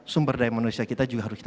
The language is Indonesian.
sumber daya manusia kita juga harus kita